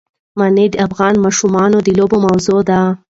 منی د افغان ماشومانو د لوبو موضوع ده.